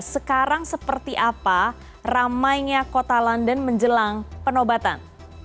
sekarang seperti apa ramainya kota london menjelang penobatan